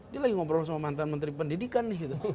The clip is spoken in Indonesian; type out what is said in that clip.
dia lagi ngobrol sama mantan menteri pendidikan nih